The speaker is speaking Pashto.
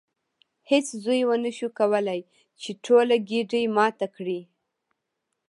هیڅ زوی ونشو کولی چې ټوله ګېډۍ ماته کړي.